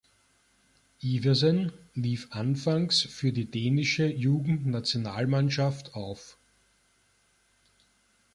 Iversen lief anfangs für die dänische Jugendnationalmannschaft auf.